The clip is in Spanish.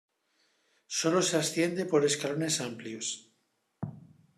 Solo se asciende por escalones amplios.